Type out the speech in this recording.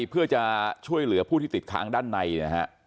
เพื่อจะช่วยเหลือผู้ที่ติดค้างด้านในนะฮะ